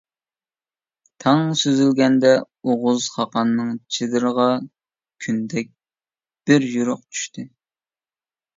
تاڭ سۈزۈلگەندە ئوغۇز خاقاننىڭ چېدىرىغا كۈندەك بىر يورۇق چۈشتى.